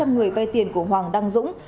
năm trăm linh người vay tiền của hoàng đăng dũng